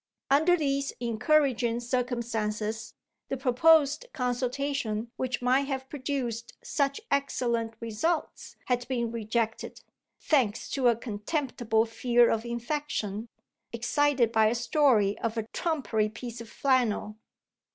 Under these encouraging circumstances the proposed consultation which might have produced such excellent results had been rejected; thanks to a contemptible fear of infection, excited by a story of a trumpery piece of flannel!